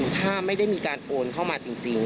ถ้าไม่ได้มีการโอนเข้ามาจริง